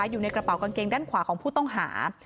อยู่ในกระเป๋ากางเกงด้านขวาของผู้ต้องหา